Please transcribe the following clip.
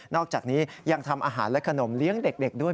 อกจากนี้ยังทำอาหารและขนมเลี้ยงเด็กด้วย